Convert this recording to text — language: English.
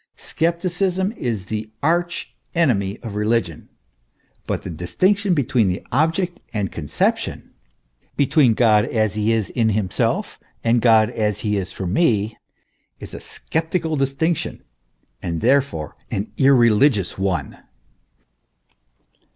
Scepticism is the arch enemy of religion; but the distinction between object and conception between God as he is in himself, and God as he is for me, is a sceptical distinction, and therefore an irreligious one.